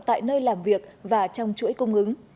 tại nơi làm việc và trong chuỗi công nghiệp